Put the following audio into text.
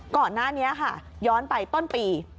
ก่อนหน้านี้ค่ะย้อนไปต้นปี